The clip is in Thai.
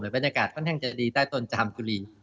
บรรยากาศค่อนข้างจะดีใต้ต้นจามกุลี